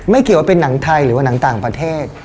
เขียนว่าเป็นหนังไทยหรือว่าหนังต่างประเทศ